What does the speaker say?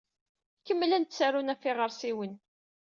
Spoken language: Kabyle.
Kemmlen ttarun ɣef yiɣersiwen.